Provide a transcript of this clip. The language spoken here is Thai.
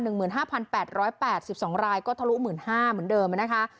หมื่นห้าพันแปดร้อยแปดสิบสองรายก็ทะลุหมื่นห้าเหมือนเดิมอ่ะนะคะ